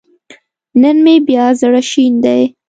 نن مې بيا زړه شين دی